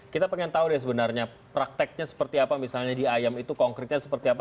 kita pengen tahu deh sebenarnya prakteknya seperti apa misalnya di ayam itu konkretnya seperti apa